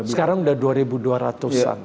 sekarang sudah dua ribu dua ratus an